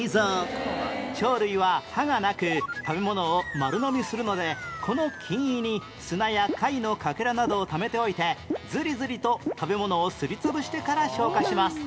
鳥類は歯がなく食べ物を丸のみするのでこの筋胃に砂や貝のかけらなどをためておいてズリズリと食べ物をすり潰してから消化します